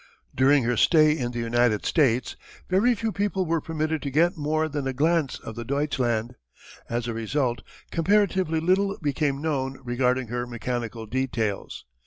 During her stay in the United States, very few people were permitted to get more than a glance of the Deutschland. As a result, comparatively little became known regarding her mechanical details.